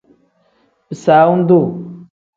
Bisaawu duu.